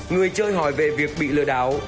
người chơi hỏi về việc bị lừa đảo